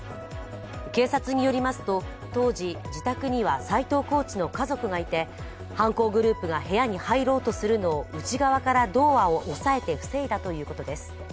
警察によりますと当時、自宅には斎藤コーチの家族がいて犯行グループが部屋に入ろうとするのを内側からドアを押さえて防いだということです。